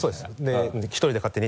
で１人で勝手に。